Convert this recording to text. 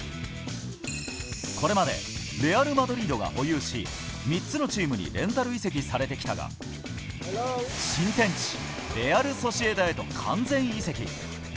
これまでレアル・マドリードが保有し、３つのチームにレンタル移籍されてきたが、新天地、レアル・ソシエダへと完全移籍。